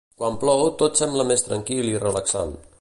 Quan plou, tot sembla més tranquil i relaxant.